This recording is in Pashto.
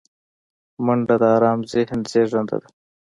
منډه د آرام ذهن زیږنده ده